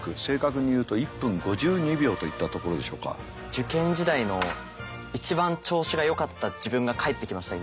受験時代の一番調子がよかった自分が帰ってきました今。